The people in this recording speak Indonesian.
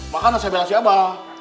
makanya saya bela si abah